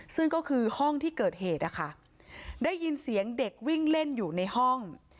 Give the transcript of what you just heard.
ซึ่งก็คือห้องที่เกิดเหตุนะคะได้ยินเสียงเด็กวิ่งเล่นอยู่ในห้อง